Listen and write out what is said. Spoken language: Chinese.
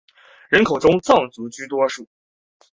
人口中藏族居多数。